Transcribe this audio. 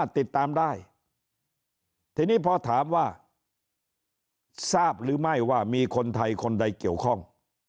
ติดตามได้ทีนี้พอถามว่าทราบหรือไม่ว่ามีคนไทยคนใดเกี่ยวข้อง